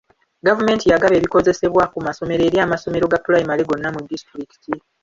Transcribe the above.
Gavumenti yagaba ebikozesebwa ku masomero eri amasomero ga pulayimale gonna mu disitulikiti.